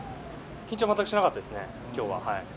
緊張は全くしなかったですね、今日は。